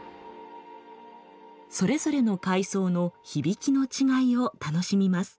それぞれの階層の響きの違いを楽しみます。